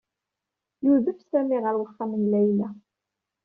Yudef Sami ɣer uxxam n Layla.